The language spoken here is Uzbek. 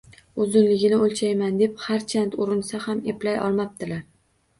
Uzunligini o’lchayman, deb harchand urinsa ham eplay olmabdilar.